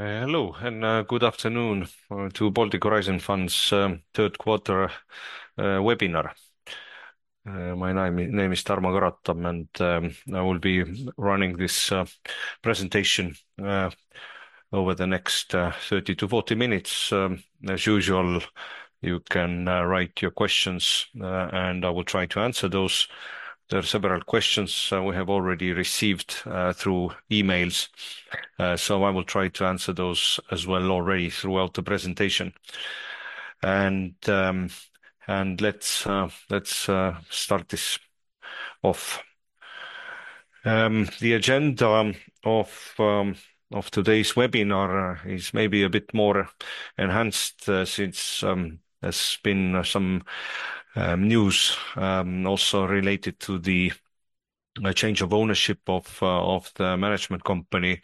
Hello, and good afternoon to Baltic Horizon Fund's third quarter webinar. My name is Tarmo Karotam, and I will be running this presentation over the next 30 to 40 minutes. As usual, you can write your questions, and I will try to answer those. There are several questions we have already received through emails, so I will try to answer those as well already throughout the presentation. And let's start this off. The agenda of today's webinar is maybe a bit more enhanced since there's been some news also related to the change of ownership of the management company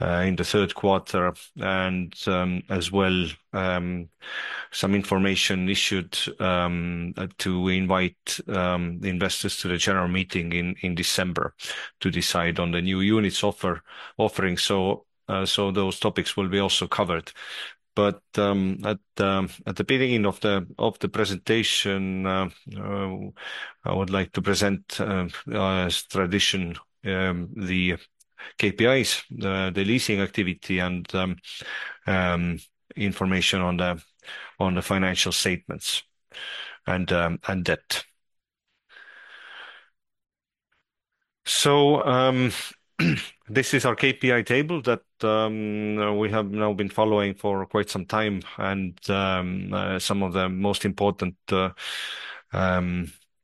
in the third quarter, and as well some information issued to invite investors to the general meeting in December to decide on the new units offering. So those topics will be also covered. At the beginning of the presentation, I would like to present, as tradition, the KPIs, the leasing activity, and information on the financial statements and debt. This is our KPI table that we have now been following for quite some time, and some of the most important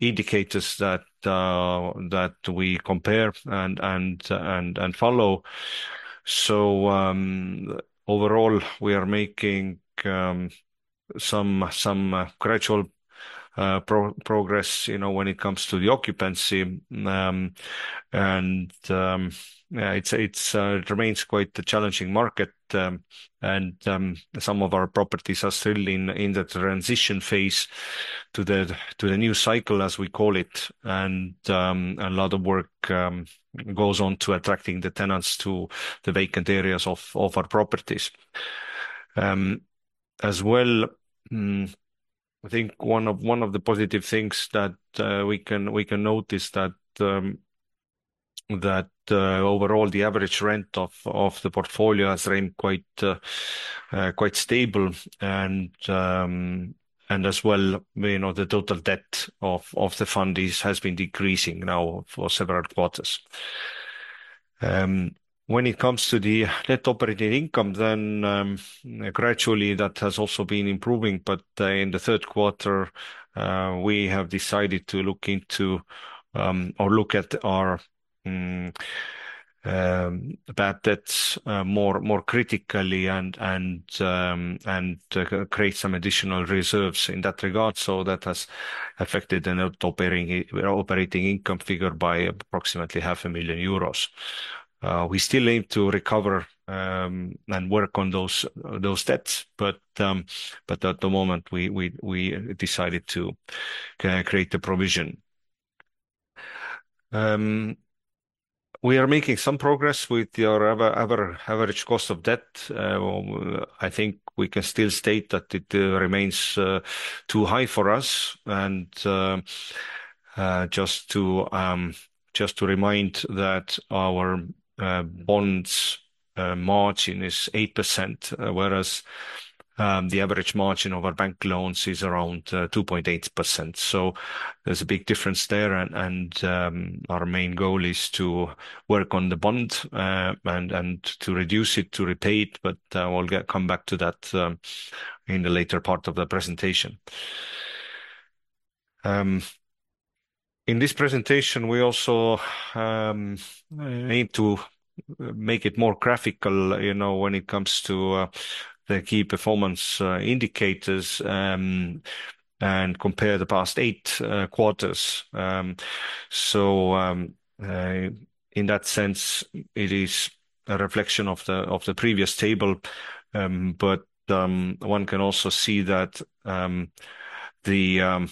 indicators that we compare and follow. Overall, we are making some gradual progress when it comes to the occupancy. It remains quite a challenging market, and some of our properties are still in the transition phase to the new cycle, as we call it. A lot of work goes on to attracting the tenants to the vacant areas of our properties. As well, I think one of the positive things that we can notice is that overall, the average rent of the portfolio has remained quite stable. As well, the total debt of the fund has been decreasing now for several quarters. When it comes to the net operating income, then gradually that has also been improving. But in the third quarter, we have decided to look into or look at our bad debts more critically and create some additional reserves in that regard. So that has affected the net operating income figure by approximately 500,000 euros. We still aim to recover and work on those debts, but at the moment, we decided to create a provision. We are making some progress with our average cost of debt. I think we can still state that it remains too high for us. And just to remind that our bonds' margin is 8%, whereas the average margin of our bank loans is around 2.8%. So there's a big difference there. And our main goal is to work on the bond and to reduce it, to repay it. But I will come back to that in the later part of the presentation. In this presentation, we also need to make it more graphical when it comes to the key performance indicators and compare the past eight quarters. So in that sense, it is a reflection of the previous table. But one can also see that the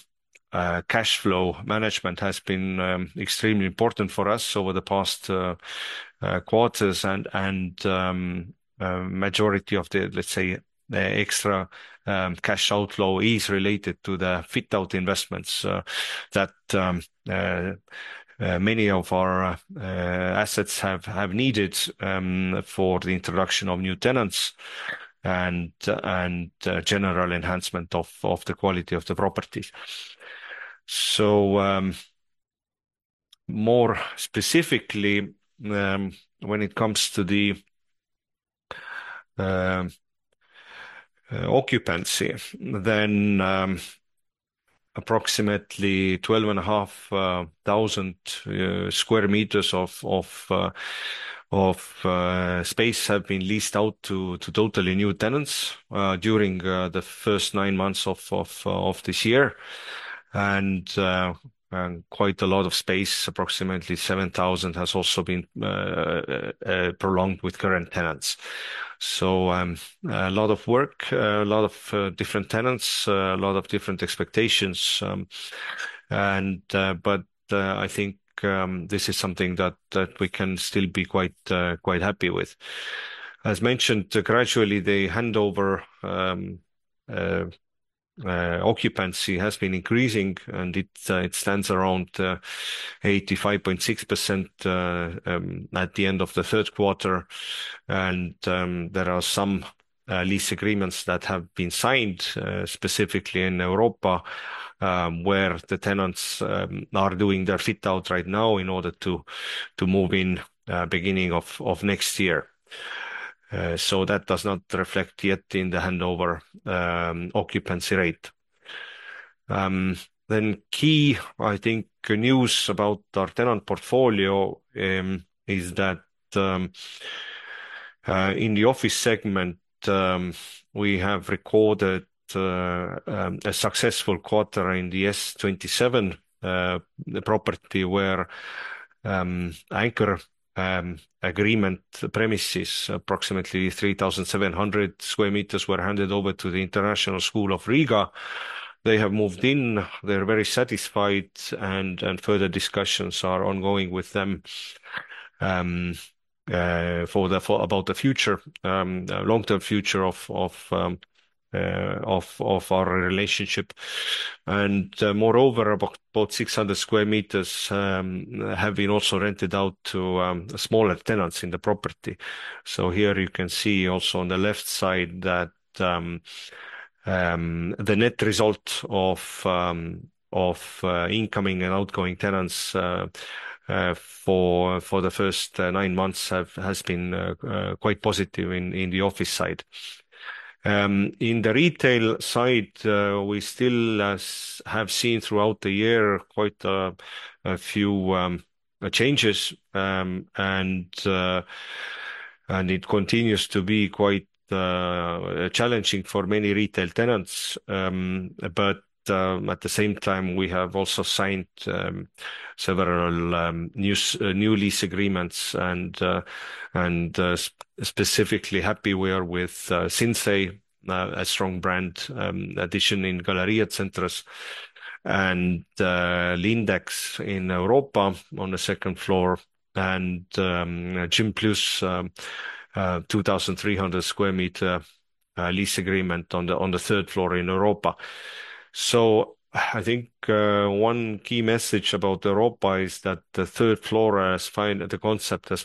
cash flow management has been extremely important for us over the past quarters. And the majority of the, let's say, extra cash outflow is related to the fit-out investments that many of our assets have needed for the introduction of new tenants and general enhancement of the quality of the properties. More specifically, when it comes to the occupancy, then approximately 12,500 sq m of space have been leased out to totally new tenants during the first nine months of this year. Quite a lot of space, approximately 7,000 sq m, has also been prolonged with current tenants. A lot of work, a lot of different tenants, a lot of different expectations. I think this is something that we can still be quite happy with. As mentioned, gradually, the handover occupancy has been increasing, and it stands around 85.6% at the end of the third quarter. There are some lease agreements that have been signed specifically in Europe, where the tenants are doing their fit-out right now in order to move in the beginning of next year. That does not reflect yet in the handover occupancy rate. Then, key, I think, news about our tenant portfolio is that in the office segment, we have recorded a successful quarter in the S27 property, where anchor agreement premises, approximately 3,700 square meters, were handed over to the International School of Riga. They have moved in. They're very satisfied, and further discussions are ongoing with them about the future, long-term future of our relationship. And moreover, about 600 square meters have been also rented out to smaller tenants in the property. So here you can see also on the left side that the net result of incoming and outgoing tenants for the first nine months has been quite positive in the office side. In the retail side, we still have seen throughout the year quite a few changes, and it continues to be quite challenging for many retail tenants. But at the same time, we have also signed several new lease agreements. And specifically happy we are with Sinsay, a strong brand addition in Galerija Centrs, and Lindex in Europa on the second floor, and Gym+, 2,300 square meter lease agreement on the third floor in Europa. So I think one key message about Europa is that the third floor concept is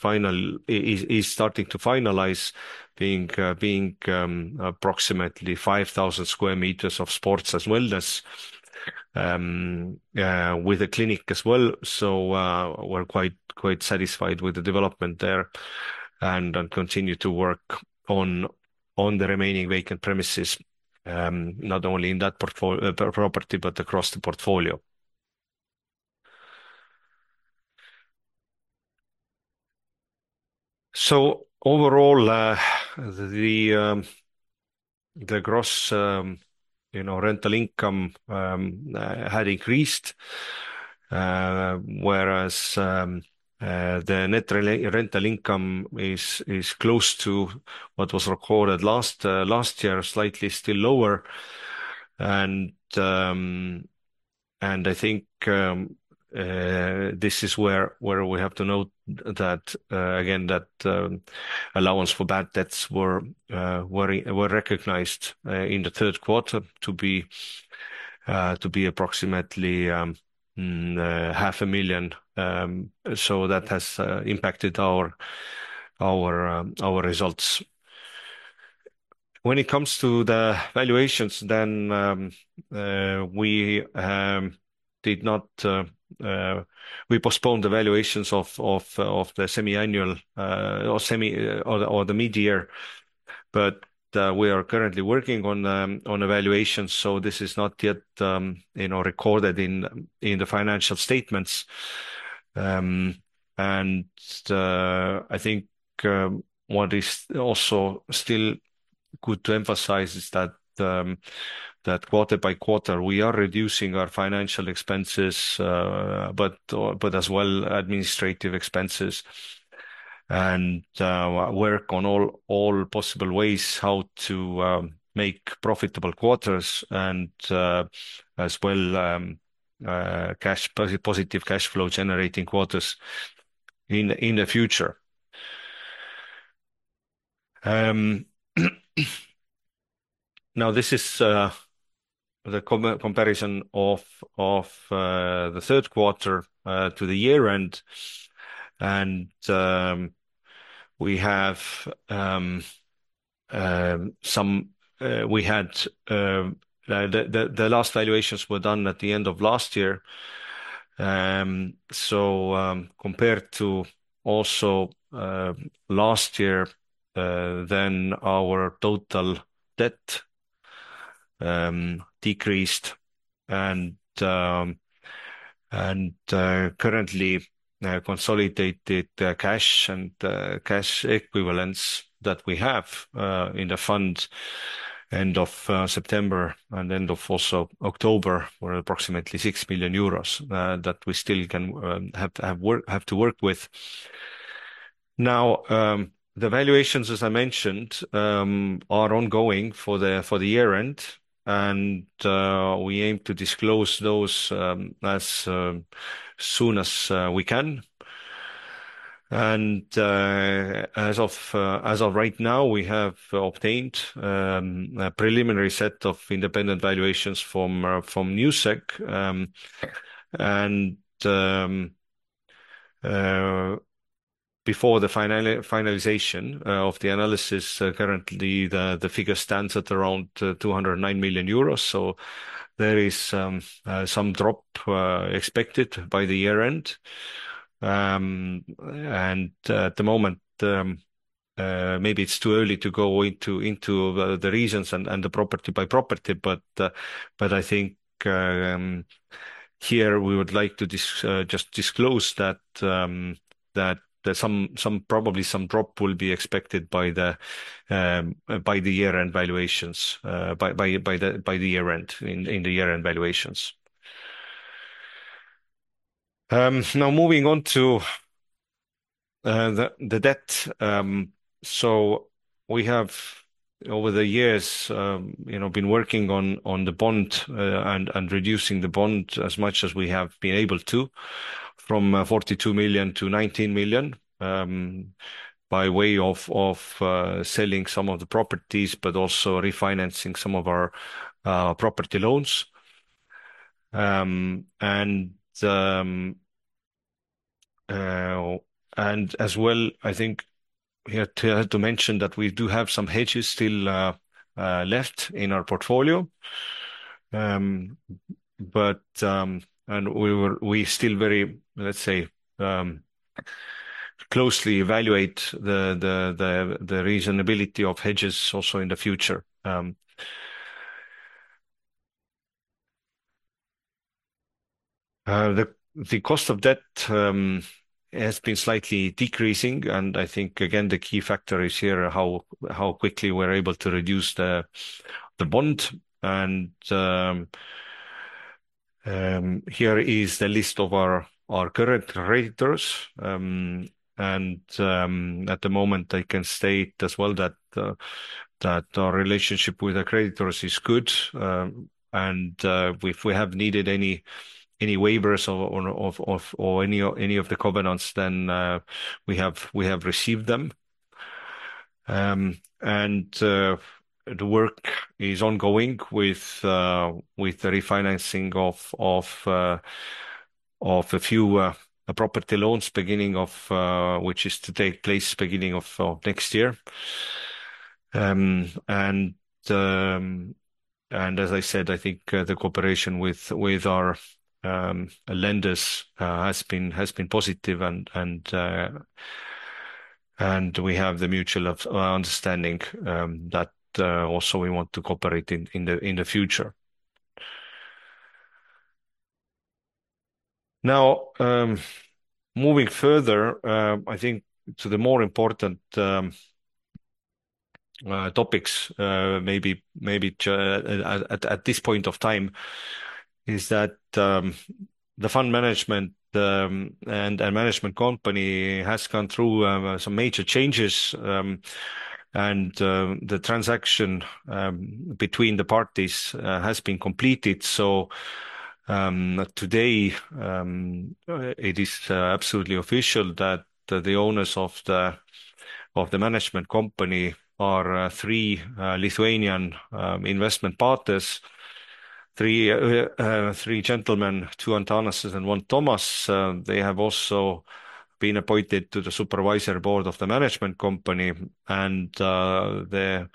starting to finalize, being approximately 5,000 square meters of sports as wellness with a clinic as well. So we're quite satisfied with the development there and continue to work on the remaining vacant premises, not only in that property, but across the portfolio. So overall, the gross rental income had increased, whereas the net rental income is close to what was recorded last year, slightly still lower. I think this is where we have to note that, again, that allowance for bad debts were recognized in the third quarter to be approximately 500,000. So that has impacted our results. When it comes to the valuations, then we postponed the valuations of the semi-annual or the mid-year, but we are currently working on valuations. So this is not yet recorded in the financial statements. And I think what is also still good to emphasize is that quarter by quarter, we are reducing our financial expenses, but as well administrative expenses, and work on all possible ways how to make profitable quarters, and as well positive cash flow generating quarters in the future. Now, this is the comparison of the third quarter to the year-end. And we had the last valuations were done at the end of last year. So compared to also last year, then our total debt decreased. And currently, consolidated cash and cash equivalents that we have in the fund end of September and end of also October were approximately 6 million euros that we still have to work with. Now, the valuations, as I mentioned, are ongoing for the year-end, and we aim to disclose those as soon as we can. And as of right now, we have obtained a preliminary set of independent valuations from Newsec. And before the finalization of the analysis, currently, the figure stands at around 209 million euros. So there is some drop expected by the year-end. And at the moment, maybe it's too early to go into the reasons and the property by property. I think here we would like to just disclose that probably some drop will be expected by the year-end valuations. Now, moving on to the debt. We have, over the years, been working on the bond and reducing the bond as much as we have been able to, from 42 million to 19 million by way of selling some of the properties, but also refinancing some of our property loans. As well, I think we have to mention that we do have some hedges still left in our portfolio. We still very, let's say, closely evaluate the reasonability of hedges also in the future. The cost of debt has been slightly decreasing. I think, again, the key factor is here how quickly we're able to reduce the bond. Here is the list of our current creditors. And at the moment, I can state as well that our relationship with the creditors is good. And if we have needed any waivers or any of the covenants, then we have received them. And the work is ongoing with the refinancing of a few property loans, which is to take place beginning of next year. And as I said, I think the cooperation with our lenders has been positive. And we have the mutual understanding that also we want to cooperate in the future. Now, moving further, I think to the more important topics, maybe at this point of time, is that the fund management and management company has gone through some major changes. And the transaction between the parties has been completed. So today, it is absolutely official that the owners of the management company are three Lithuanian investment partners, three gentlemen, two Antonases and one Tomas. They have also been appointed to the supervisory board of the management company. And the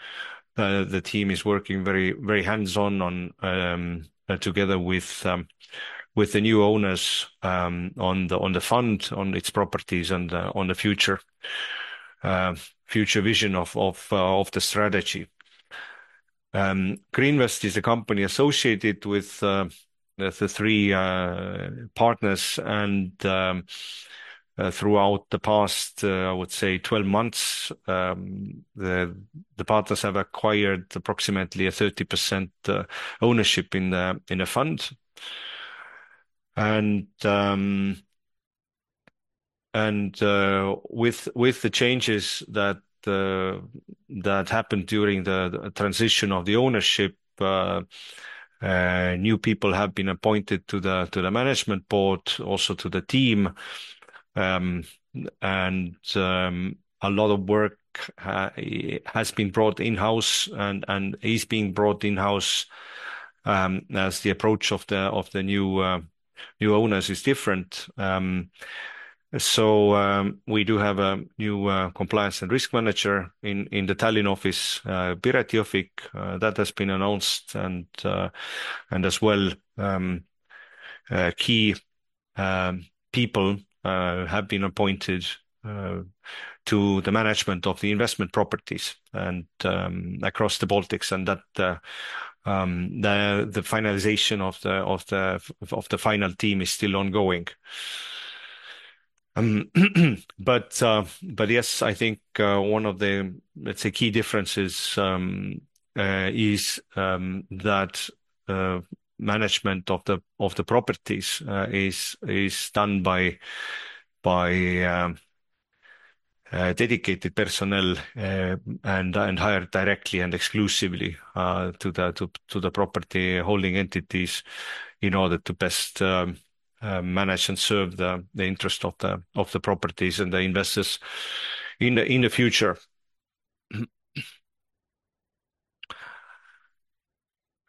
team is working very hands-on together with the new owners on the fund, on its properties, and on the future vision of the strategy. Grinvest is a company associated with the three partners. And throughout the past, I would say, 12 months, the partners have acquired approximately a 30% ownership in the fund. And with the changes that happened during the transition of the ownership, new people have been appointed to the management board, also to the team. And a lot of work has been brought in-house and is being brought in-house as the approach of the new owners is different. So we do have a new compliance and risk manager in the Tallinn office, Piret Jõhvik. That has been announced. As well, key people have been appointed to the management of the investment properties across the Baltics. The finalization of the final team is still ongoing. Yes, I think one of the, let's say, key differences is that management of the properties is done by dedicated personnel and hired directly and exclusively to the property holding entities in order to best manage and serve the interest of the properties and the investors in the future.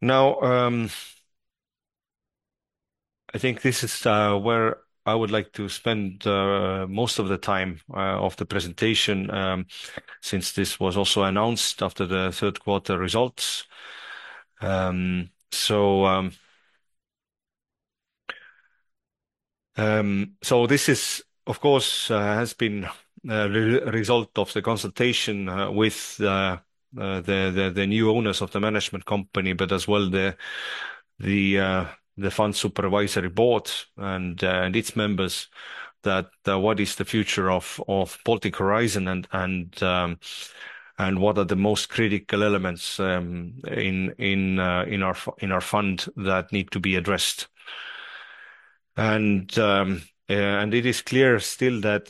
Now, I think this is where I would like to spend most of the time of the presentation since this was also announced after the third quarter results. So this is, of course, has been a result of the consultation with the new owners of the management company, but as well the fund supervisory board and its members, that what is the future of Baltic Horizon and what are the most critical elements in our fund that need to be addressed. And it is clear still that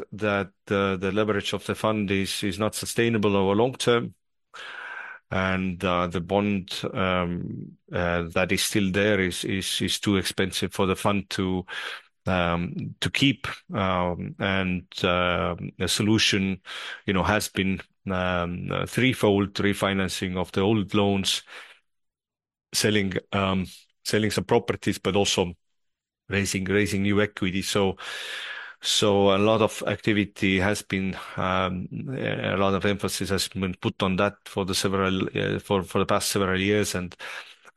the leverage of the fund is not sustainable over long term. And the bond that is still there is too expensive for the fund to keep. And the solution has been threefold refinancing of the old loans, selling some properties, but also raising new equity. So a lot of activity has been a lot of emphasis has been put on that for the past several years.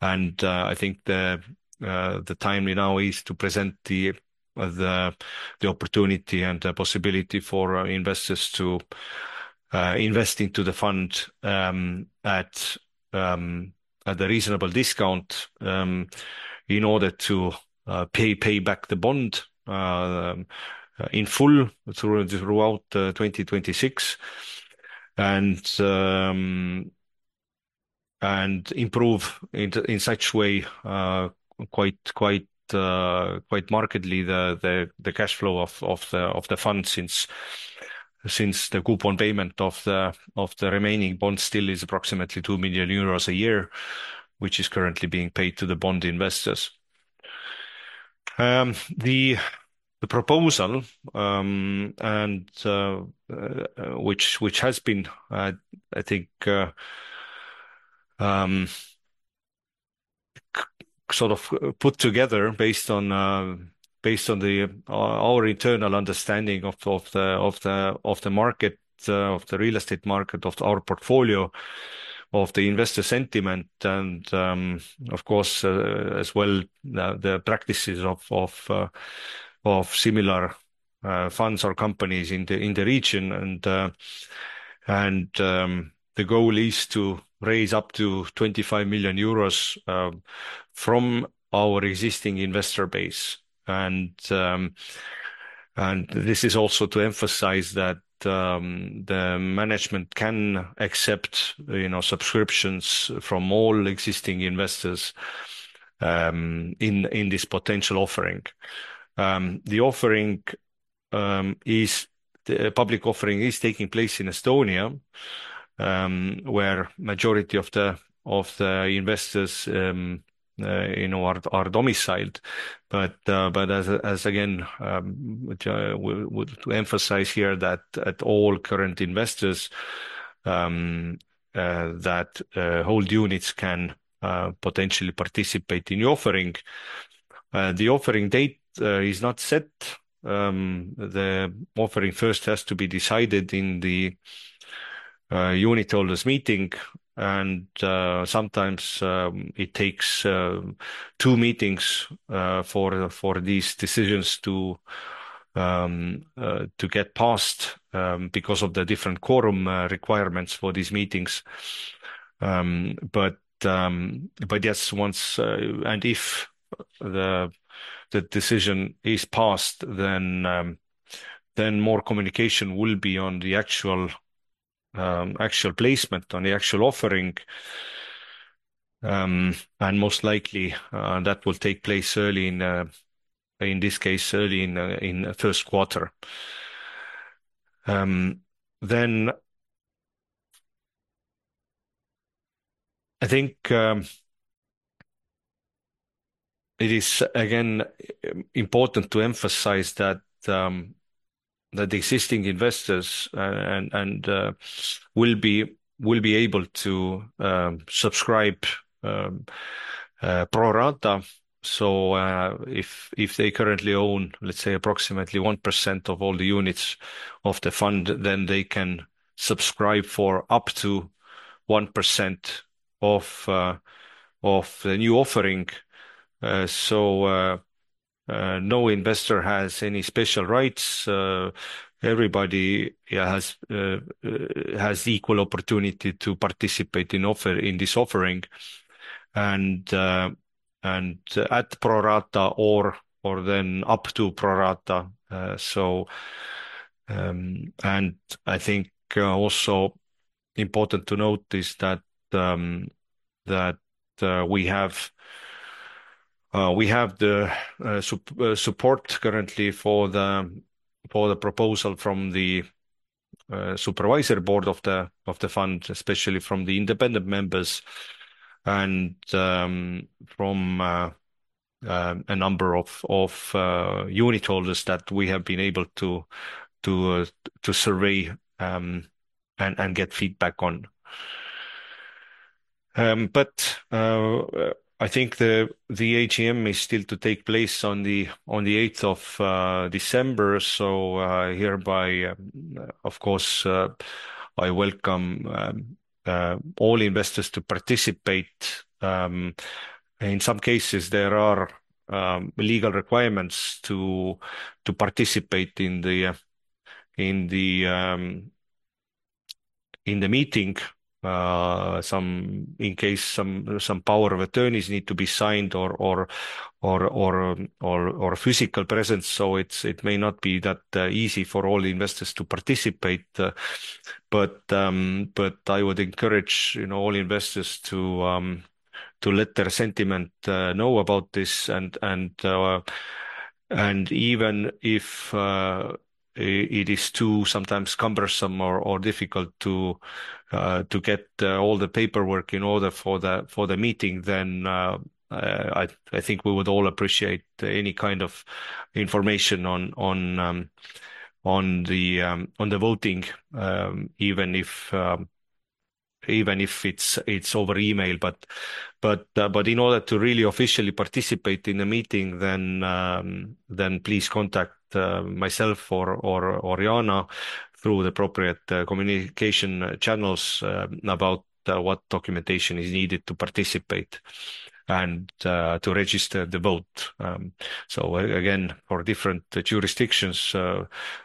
I think the time now is to present the opportunity and the possibility for investors to invest into the fund at a reasonable discount in order to pay back the bond in full throughout 2026 and improve in such way quite markedly the cash flow of the fund since the coupon payment of the remaining bond still is approximately 2 million euros a year, which is currently being paid to the bond investors. The proposal, which has been, I think, sort of put together based on our internal understanding of the market, of the real estate market, of our portfolio, of the investor sentiment, and of course, as well, the practices of similar funds or companies in the region. The goal is to raise up to 25 million euros from our existing investor base. This is also to emphasize that the management can accept subscriptions from all existing investors in this potential offering. The public offering is taking place in Estonia, where the majority of the investors are domiciled. As again, to emphasize here that all current investors that hold units can potentially participate in the offering. The offering date is not set. The offering first has to be decided in the unit holders meeting. Sometimes it takes two meetings for these decisions to get passed because of the different quorum requirements for these meetings. Yes, once and if the decision is passed, then more communication will be on the actual placement, on the actual offering. Most likely, that will take place early in this case, early in the first quarter. Then I think it is again important to emphasize that the existing investors will be able to subscribe pro rata. So if they currently own, let's say, approximately 1% of all the units of the fund, then they can subscribe for up to 1% of the new offering. So no investor has any special rights. Everybody has equal opportunity to participate in this offering and at pro rata or then up to pro rata. And I think also important to note is that we have the support currently for the proposal from the Supervisory Board of the fund, especially from the independent members and from a number of unit holders that we have been able to survey and get feedback on. But I think the AGM is still to take place on the 8th of December. So hereby, of course, I welcome all investors to participate. In some cases, there are legal requirements to participate in the meeting in case some power of attorneys need to be signed or physical presence. So it may not be that easy for all investors to participate. But I would encourage all investors to let their sentiment know about this. And even if it is too sometimes cumbersome or difficult to get all the paperwork in order for the meeting, then I think we would all appreciate any kind of information on the voting, even if it's over email. But in order to really officially participate in the meeting, then please contact myself or Oriana through the appropriate communication channels about what documentation is needed to participate and to register the vote. So again, for different jurisdictions,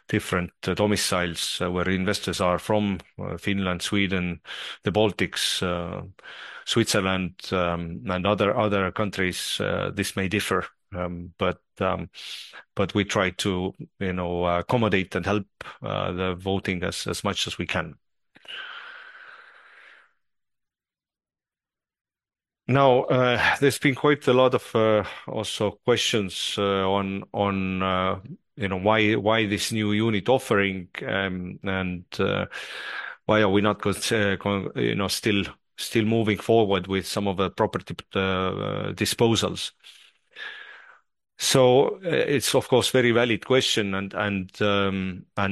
different domiciles where investors are from Finland, Sweden, the Baltics, Switzerland, and other countries, this may differ. But we try to accommodate and help the voting as much as we can. Now, there's been quite a lot of also questions on why this new unit offering and why are we not still moving forward with some of the property disposals. So it's, of course, a very valid question. And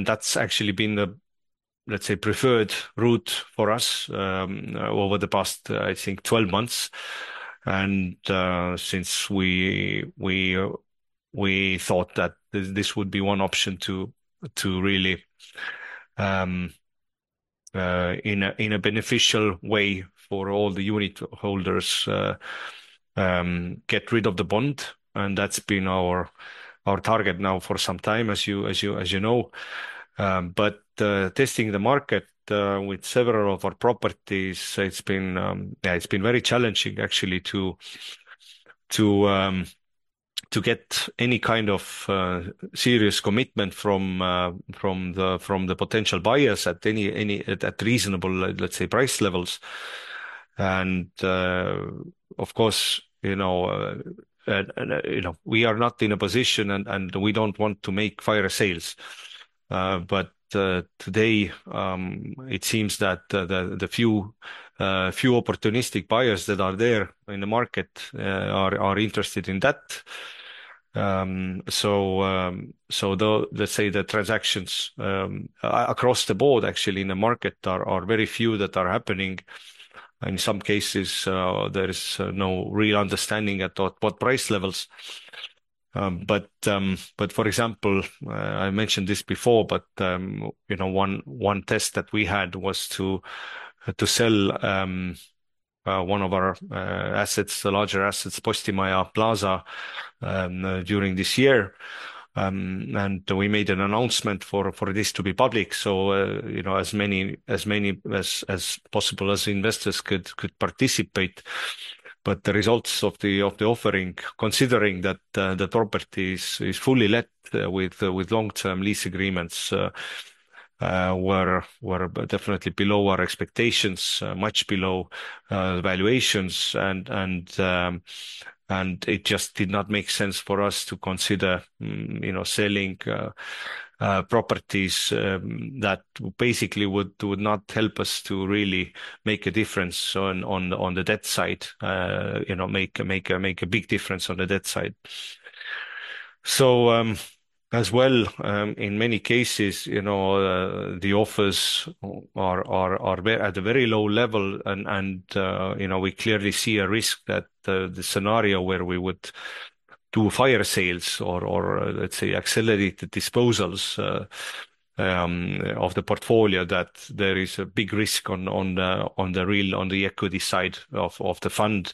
that's actually been, let's say, a preferred route for us over the past, I think, 12 months. And since we thought that this would be one option to really, in a beneficial way for all the unit holders, get rid of the bond. And that's been our target now for some time, as you know. But testing the market with several of our properties, it's been very challenging, actually, to get any kind of serious commitment from the potential buyers at reasonable, let's say, price levels. And of course, we are not in a position and we don't want to make fire sales. But today, it seems that the few opportunistic buyers that are there in the market are interested in that. So let's say the transactions across the board, actually, in the market are very few that are happening. In some cases, there is no real understanding at what price levels. But for example, I mentioned this before, but one test that we had was to sell one of our assets, the larger assets, Postimaja, during this year. And we made an announcement for this to be public, so as many investors as possible could participate. But the results of the offering, considering that the property is fully let with long-term lease agreements, were definitely below our expectations, much below valuations. It just did not make sense for us to consider selling properties that basically would not help us to really make a difference on the debt side, make a big difference on the debt side. As well, in many cases, the offers are at a very low level. We clearly see a risk that the scenario where we would do fire sales or, let's say, accelerate the disposals of the portfolio, that there is a big risk on the equity side of the fund.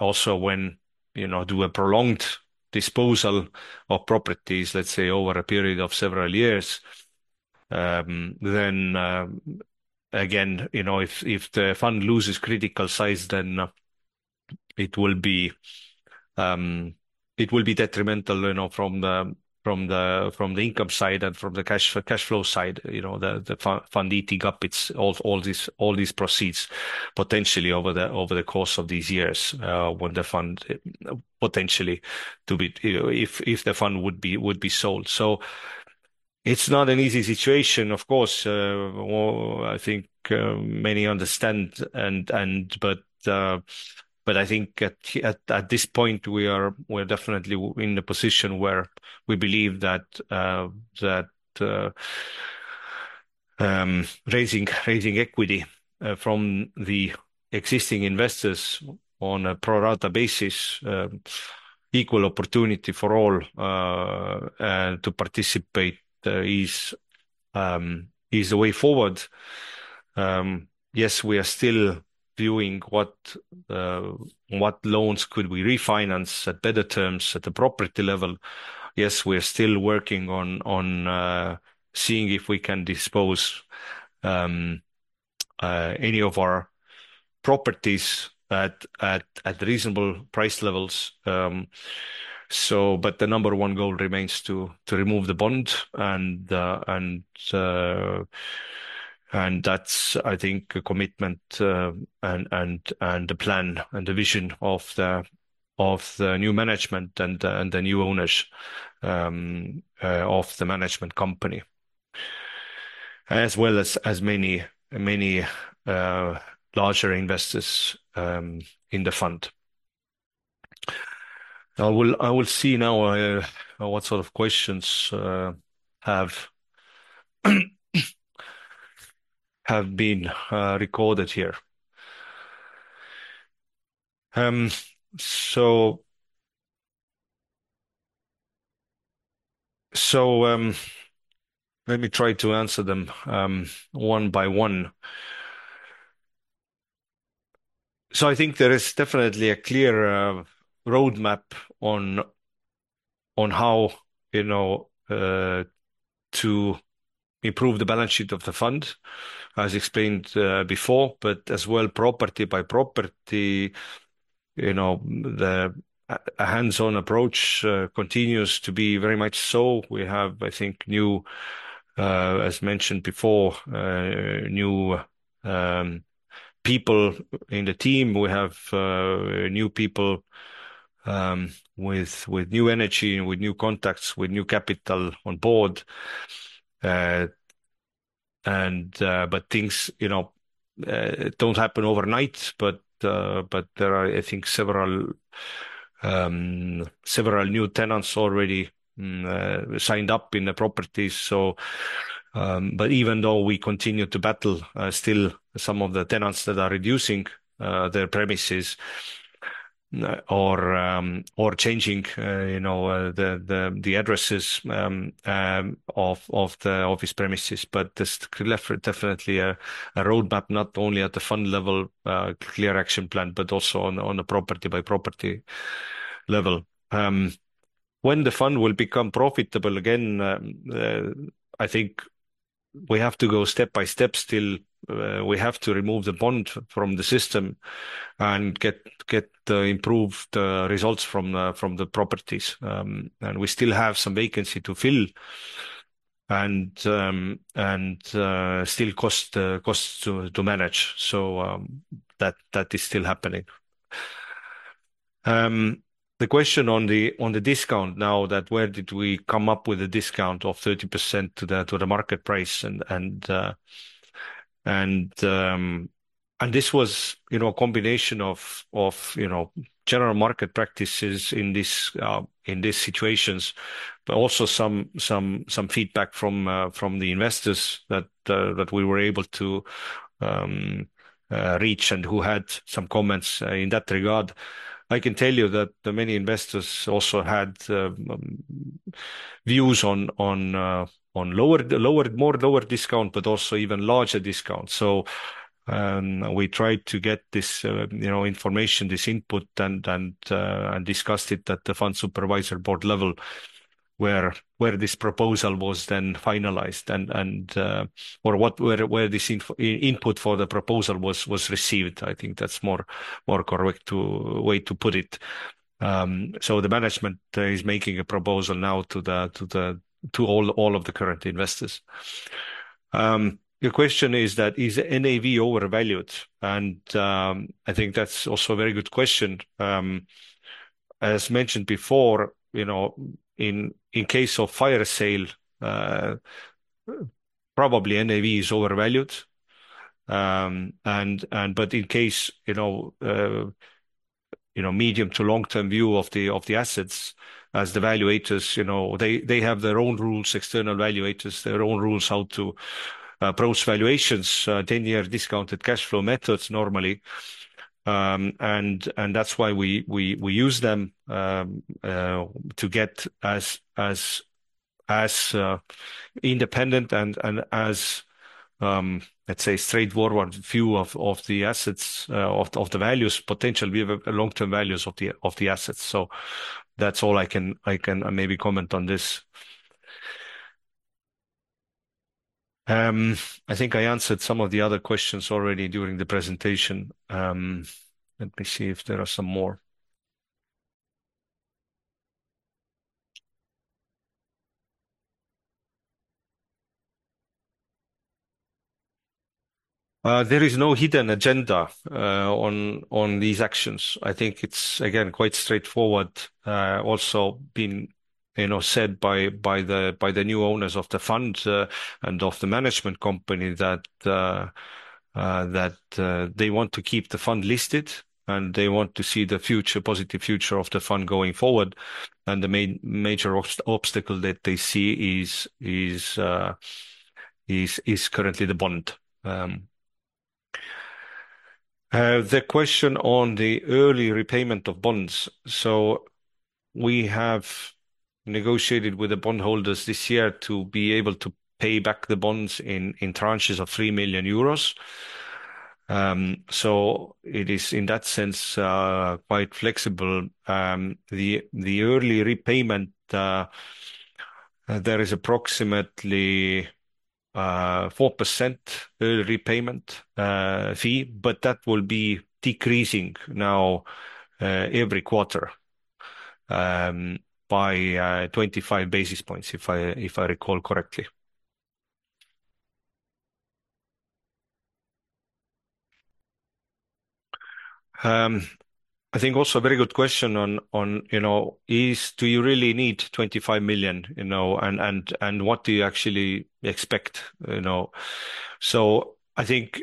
Also, when we do a prolonged disposal of properties, let's say, over a period of several years, then again, if the fund loses critical size, then it will be detrimental from the income side and from the cash flow side, the fund eating up all these proceeds potentially over the course of these years when the fund potentially would be sold. So it's not an easy situation, of course. I think many understand. But I think at this point, we are definitely in the position where we believe that raising equity from the existing investors on a pro rata basis, equal opportunity for all to participate, is the way forward. Yes, we are still viewing what loans we could refinance at better terms at the property level. Yes, we are still working on seeing if we can dispose any of our properties at reasonable price levels, but the number one goal remains to remove the bond, and that's, I think, a commitment and the plan and the vision of the new management and the new owners of the management company, as well as many larger investors in the fund. I will see now what sort of questions have been recorded here, so let me try to answer them one by one, so I think there is definitely a clear roadmap on how to improve the balance sheet of the fund, as explained before, but as well, property by property, the hands-on approach continues to be very much so. We have, I think, new, as mentioned before, new people in the team. We have new people with new energy, with new contacts, with new capital on board. But things don't happen overnight. But there are, I think, several new tenants already signed up in the properties. But even though we continue to battle still some of the tenants that are reducing their premises or changing the addresses of the office premises, but there's definitely a roadmap, not only at the fund level, clear action plan, but also on a property by property level. When the fund will become profitable again, I think we have to go step by step still. We have to remove the bond from the system and get improved results from the properties. And we still have some vacancy to fill and still costs to manage. So that is still happening. The question on the discount now, that where did we come up with a discount of 30% to the market price? This was a combination of general market practices in these situations, but also some feedback from the investors that we were able to reach and who had some comments in that regard. I can tell you that many investors also had views on more lower discount, but also even larger discounts. We tried to get this information, this input, and discussed it at the fund Supervisory Board level where this proposal was then finalized or where this input for the proposal was received. I think that's a more correct way to put it. The management is making a proposal now to all of the current investors. The question is, is NAV overvalued? I think that's also a very good question. As mentioned before, in case of fire sale, probably NAV is overvalued. But in the case of medium- to long-term view of the assets, as the valuators, they have their own rules. External valuators have their own rules how to approach valuations, 10-year discounted cash flow methods normally. And that's why we use them to get as independent and as, let's say, straightforward view of the assets, of the values, potentially long-term values of the assets. So that's all I can maybe comment on this. I think I answered some of the other questions already during the presentation. Let me see if there are some more. There is no hidden agenda on these actions. I think it's, again, quite straightforward. Also been said by the new owners of the fund and of the management company that they want to keep the fund listed and they want to see the positive future of the fund going forward. The major obstacle that they see is currently the bond. The question on the early repayment of bonds. We have negotiated with the bondholders this year to be able to pay back the bonds in tranches of 3 million euros. It is, in that sense, quite flexible. The early repayment, there is approximately 4% early repayment fee, but that will be decreasing now every quarter by 25 basis points, if I recall correctly. I think also a very good question on, do you really need 25 million and what do you actually expect? I think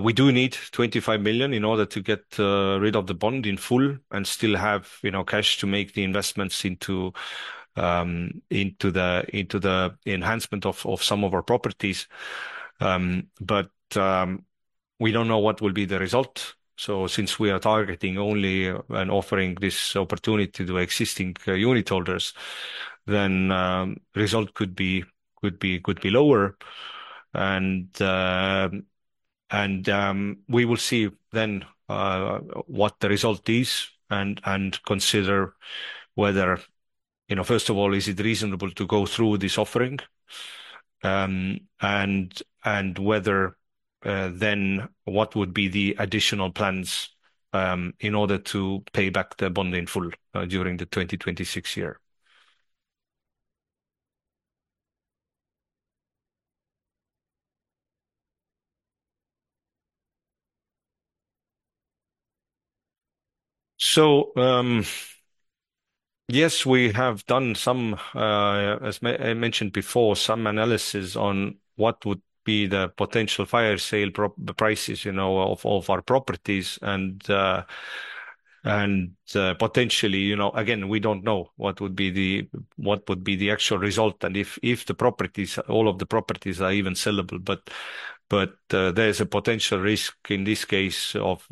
we do need 25 million in order to get rid of the bond in full and still have cash to make the investments into the enhancement of some of our properties. But we don't know what will be the result. So since we are targeting only and offering this opportunity to existing unit holders, then the result could be lower. And we will see then what the result is and consider whether, first of all, is it reasonable to go through this offering and whether then what would be the additional plans in order to pay back the bond in full during the 2026 year. So yes, we have done some, as I mentioned before, some analysis on what would be the potential fire sale prices of our properties. And potentially, again, we don't know what would be the actual result and if all of the properties are even sellable. But there's a potential risk in this case of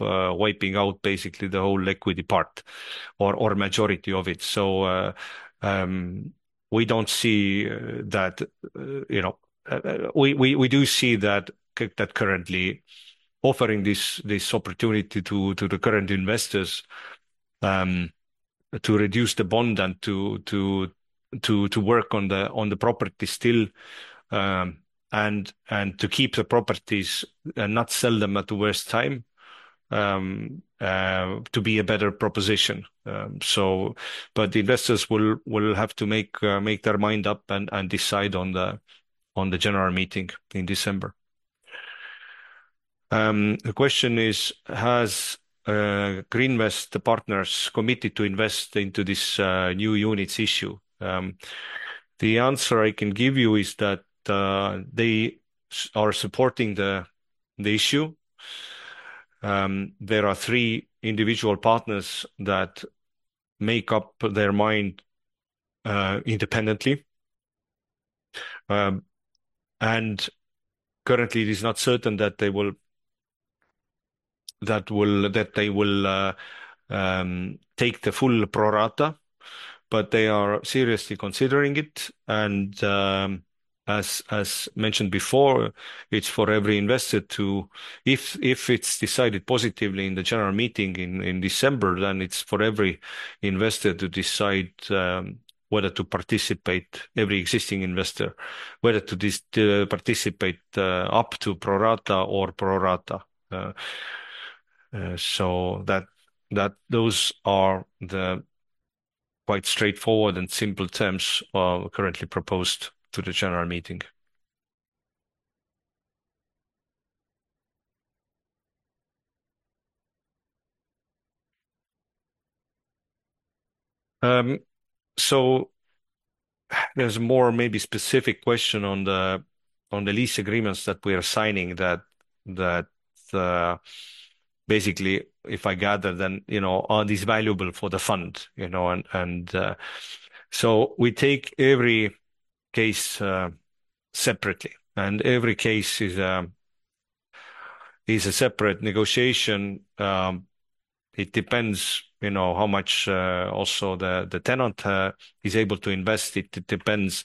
wiping out basically the whole equity part or majority of it. So we don't see that. We do see that currently offering this opportunity to the current investors to reduce the bond and to work on the property still and to keep the properties and not sell them at the worst time to be a better proposition. But the investors will have to make their mind up and decide on the general meeting in December. The question is, has Grinvest Partners committed to invest into this new units issue? The answer I can give you is that they are supporting the issue. There are three individual partners that make up their mind independently, and currently, it is not certain that they will take the full pro rata, but they are seriously considering it. As mentioned before, it's for every investor to, if it's decided positively in the general meeting in December, then it's for every investor to decide whether to participate, every existing investor, whether to participate up to pro rata or pro rata. Those are the quite straightforward and simple terms currently proposed to the general meeting. There's more maybe specific question on the lease agreements that we are signing that basically, if I gather, then are these valuable for the fund? We take every case separately. Every case is a separate negotiation. It depends how much also the tenant is able to invest. It depends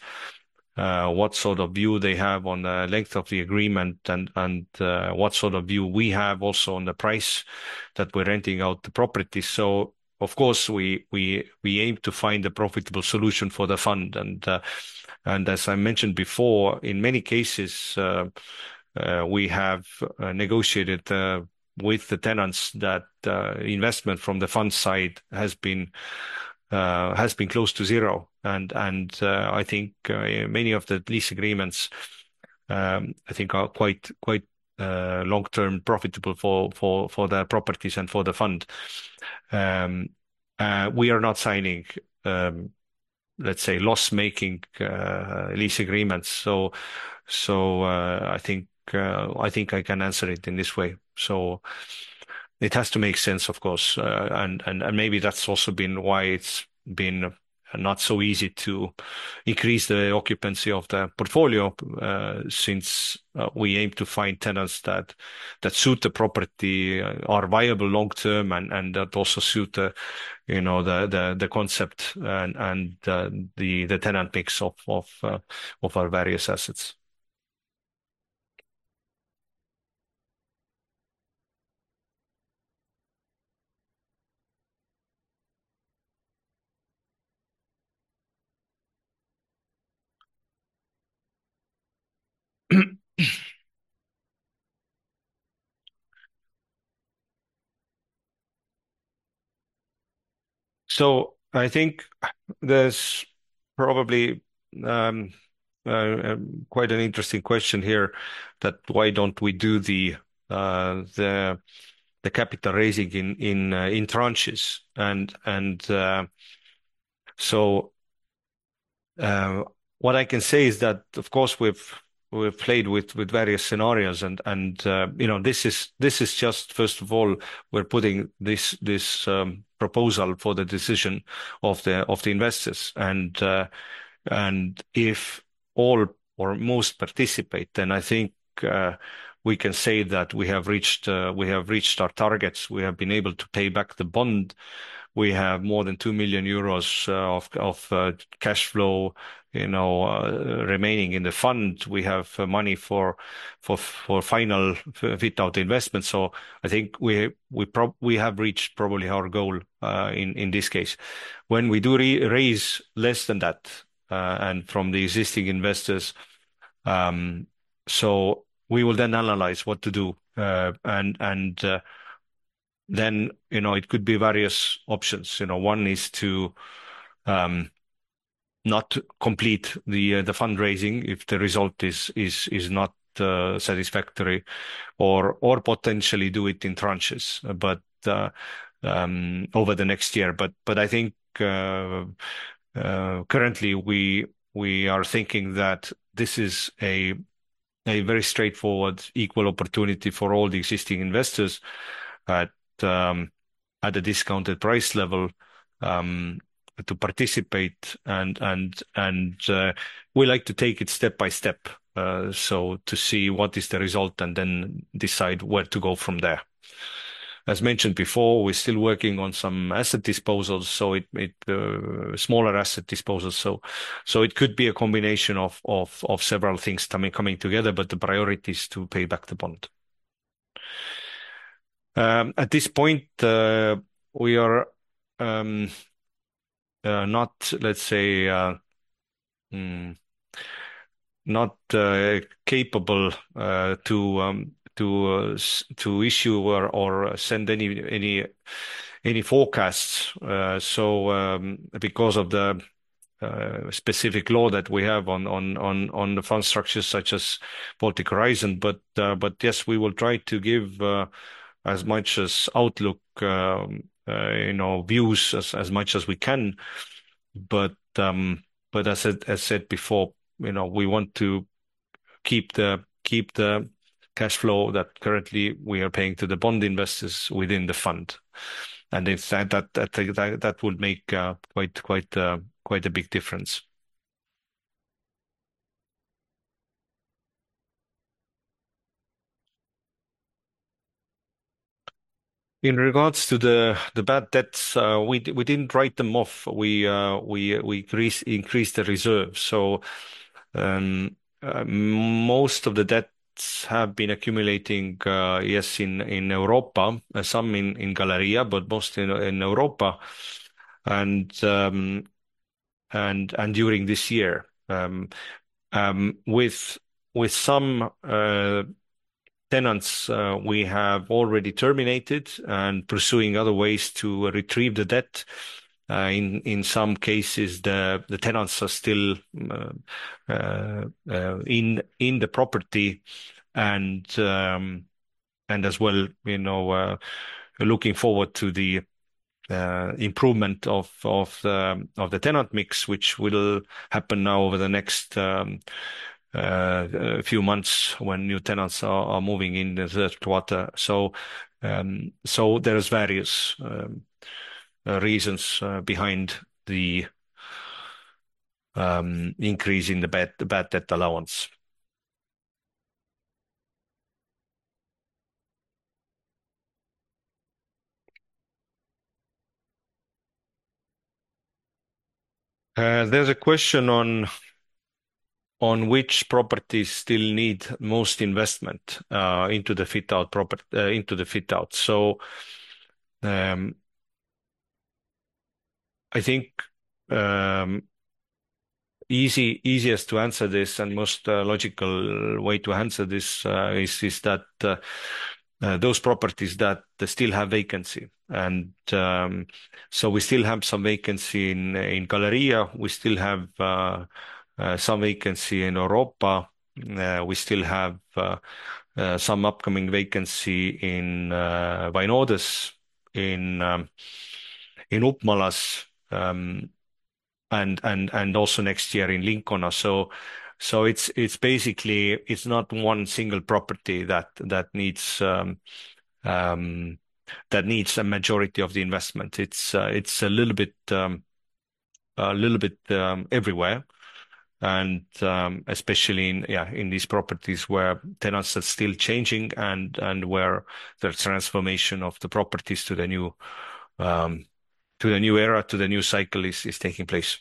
what sort of view they have on the length of the agreement and what sort of view we have also on the price that we're renting out the property. So of course, we aim to find a profitable solution for the fund. And as I mentioned before, in many cases, we have negotiated with the tenants that investment from the fund side has been close to zero. And I think many of the lease agreements, I think, are quite long-term profitable for the properties and for the fund. We are not signing, let's say, loss-making lease agreements. So I think I can answer it in this way. So it has to make sense, of course. And maybe that's also been why it's been not so easy to increase the occupancy of the portfolio since we aim to find tenants that suit the property, are viable long-term, and that also suit the concept and the tenant mix of our various assets. I think there's probably quite an interesting question here that why don't we do the capital raising in tranches? What I can say is that, of course, we've played with various scenarios. This is just, first of all, we're putting this proposal for the decision of the investors. If all or most participate, then I think we can say that we have reached our targets. We have been able to pay back the bond. We have more than 2 million euros of cash flow remaining in the fund. We have money for final fit-out investment. I think we have reached probably our goal in this case. When we do raise less than that and from the existing investors, we will then analyze what to do. Then it could be various options. One is to not complete the fundraising if the result is not satisfactory or potentially do it in tranches over the next year. But I think currently we are thinking that this is a very straightforward equal opportunity for all the existing investors at a discounted price level to participate. And we like to take it step by step to see what is the result and then decide where to go from there. As mentioned before, we're still working on some asset disposals, smaller asset disposals. So it could be a combination of several things coming together, but the priority is to pay back the bond. At this point, we are not, let's say, not capable to issue or send any forecasts because of the specific law that we have on the fund structures such as Baltic Horizon. But yes, we will try to give as much as outlook views as much as we can. But as I said before, we want to keep the cash flow that currently we are paying to the bond investors within the fund. And in fact, that would make quite a big difference. In regards to the bad debts, we didn't write them off. We increased the reserve. So most of the debts have been accumulating, yes, in Europa, some in Galerija Centrs, but mostly in Europa. And during this year, with some tenants we have already terminated and pursuing other ways to retrieve the debt. In some cases, the tenants are still in the property and as well looking forward to the improvement of the tenant mix, which will happen now over the next few months when new tenants are moving in the third quarter. So there are various reasons behind the increase in the bad debt allowance. There's a question on which properties still need most investment into the fit-out. So I think easiest to answer this and most logical way to answer this is that those properties that still have vacancy. And so we still have some vacancy in Galerija Centrs. We still have some vacancy in Europa. We still have some upcoming vacancy in Vainodes, in Upmalas, and also next year in Lincona. So it's basically not one single property that needs a majority of the investment. It's a little bit everywhere, and especially in these properties where tenants are still changing and where the transformation of the properties to the new era, to the new cycle is taking place.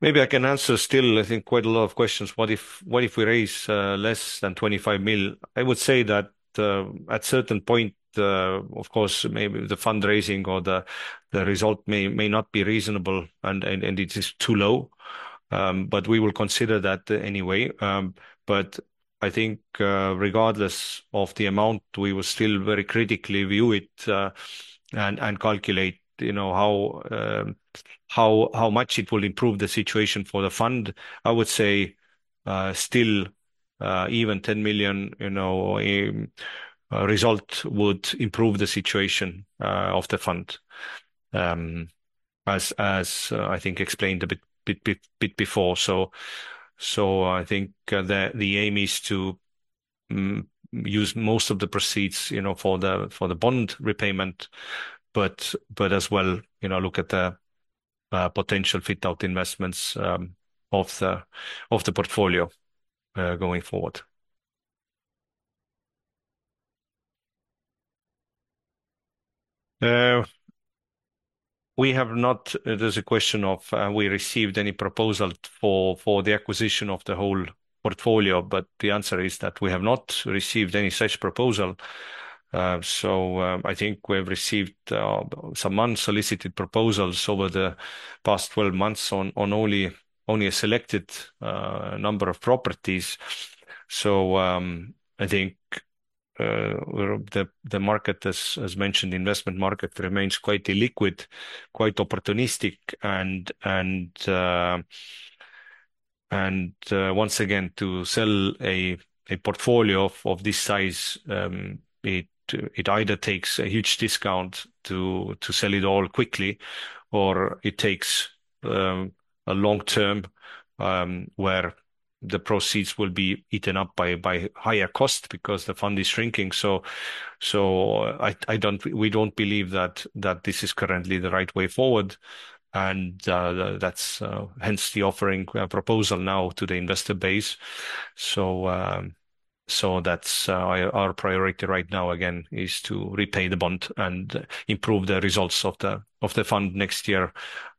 Maybe I can answer still, I think, quite a lot of questions. What if we raise less than 25 million? I would say that at certain point, of course, maybe the fundraising or the result may not be reasonable and it is too low. But we will consider that anyway. But I think regardless of the amount, we will still very critically view it and calculate how much it will improve the situation for the fund. I would say still even 10 million result would improve the situation of the fund, as I think explained a bit before. So I think the aim is to use most of the proceeds for the bond repayment, but as well look at the potential fit-out investments of the portfolio going forward. There's a question of have we received any proposal for the acquisition of the whole portfolio, but the answer is that we have not received any such proposal. I think we have received some unsolicited proposals over the past 12 months on only a selected number of properties. I think the market, as mentioned, the investment market remains quite illiquid, quite opportunistic. Once again, to sell a portfolio of this size, it either takes a huge discount to sell it all quickly, or it takes a long term where the proceeds will be eaten up by higher cost because the fund is shrinking. We don't believe that this is currently the right way forward. That's hence the offering proposal now to the investor base. That's our priority right now, again, is to repay the bond and improve the results of the fund next year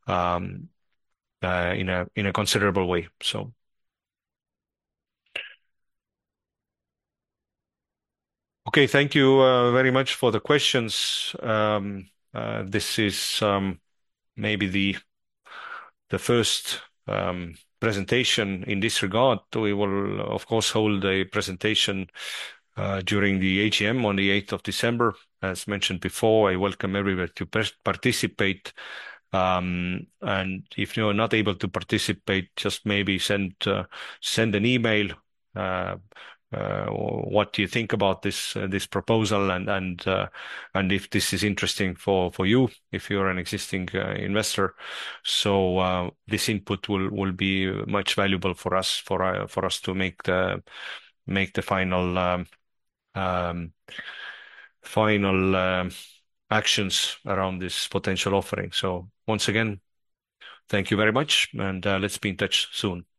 in a considerable way. Okay, thank you very much for the questions. This is maybe the first presentation in this regard. We will, of course, hold a presentation during the AGM on the 8th of December. As mentioned before, I welcome everyone to participate. And if you are not able to participate, just maybe send an email what you think about this proposal and if this is interesting for you, if you are an existing investor. So this input will be much valuable for us to make the final actions around this potential offering. So once again, thank you very much, and let's be in touch soon.